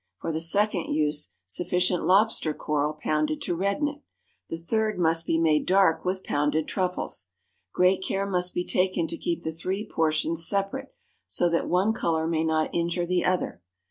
For the second use sufficient lobster coral pounded to redden it. The third must be made dark with pounded truffles. Great care must be taken to keep the three portions separate, so that one color may not injure the other.